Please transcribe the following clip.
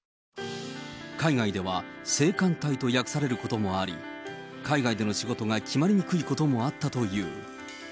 海外では性感帯と訳されることもあり、海外での仕事が決まりにくいこともあったという。